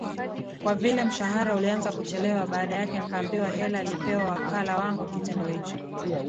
kwa vile mshahara ulianza kuchelewa badala yake nikaambiwa hela alipewa wakala wanguKitendo hicho